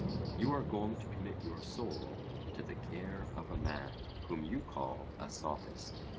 You are going to commit your soul to the care of a man whom you call a Sophist.